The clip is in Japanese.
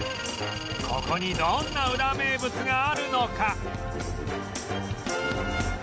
ここにどんなウラ名物があるのか